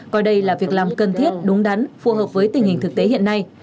coi đây là việc làm cần thiết đúng đắn phù hợp với tình hình thực tế hiện nay